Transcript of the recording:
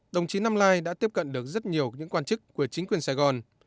đồng chí năm lai đã tiếp cận được rất nhiều những quan chức của chính quyền sài gòn